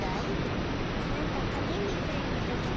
なんかかぎみたいのできた。